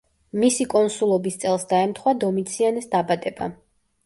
მისი კონსულობის წელს დაემთხვა დომიციანეს დაბადება.